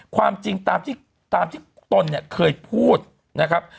ความจริงตามที่ตนเนี่ยเคยพูดนะครับ